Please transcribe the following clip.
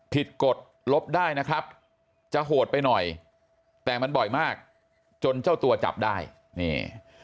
กฎลบได้นะครับจะโหดไปหน่อยแต่มันบ่อยมากจนเจ้าตัวจับได้นี่